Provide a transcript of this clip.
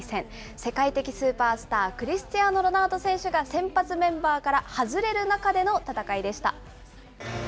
世界的スーパースター、クリスチアーノ・ロナウド選手が先発メンバーから外れる中での戦いでした。